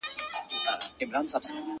• شخي- شخي به شملې وي -